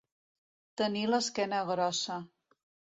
Tenir l'esquena grossa.